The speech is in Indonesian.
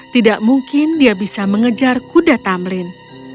tidak mungkin dia bisa mengejar kuda tamlin